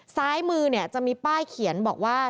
ซ้ายมือจะมีป้ายเขียนบอกว่า